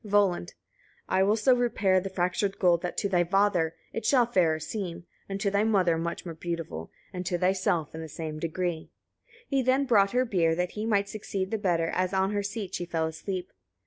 Volund. 25. "I will so repair the fractured gold, that to thy father it shall fairer seem, and to thy mother much more beautiful, and to thyself, in the same degree." 26. He then brought her beer, that he might succeed the better, as on her seat she fell asleep.